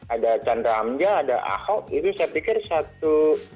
ada chandra hamja ada ahok itu saya pikir satu